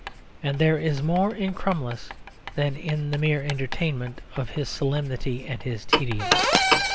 And there is more in Crummles than the mere entertainment of his solemnity and his tedium.